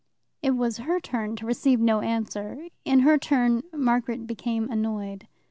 It was her turn to receive no answer. In her turn Margaret became annoyed.